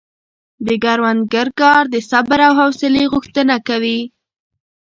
د کروندګر کار د صبر او حوصلې غوښتنه کوي.